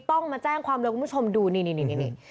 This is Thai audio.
ต้องมาแจ้งความเลยคุณผู้ชมดูนี่